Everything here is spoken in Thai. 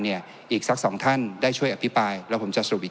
อีกสักสองท่านได้ช่วยอภิปรายแล้วผมจะสรุปอีก